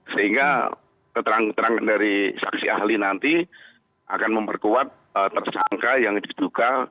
sehingga keterangan keterangan dari saksi ahli nanti akan memperkuat tersangka yang diduga